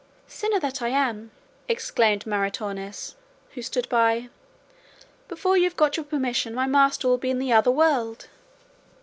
"Sinner that I am," exclaimed Maritornes, who stood by; "before you have got your permission my master will be in the other world."